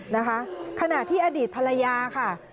นะคะขณะที่อดีตภรรยาค่ะ